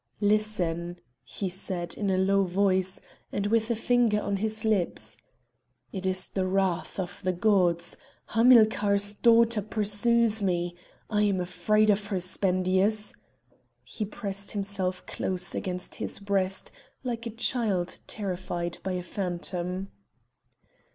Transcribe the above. "Listen!" he said in a low voice, and with a finger on his lips. "It is the wrath of the Gods! Hamilcar's daughter pursues me! I am afraid of her, Spendius!" He pressed himself close against his breast like a child terrified by a phantom.